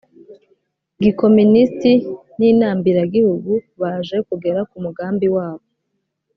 gikomunisiti n inambiragihugu baje kugera ku mugambi wabo